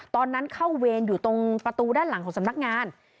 ตอนนั้นเข้าเวรอยู่ตรงประตูด้านหลังของสำนักงาน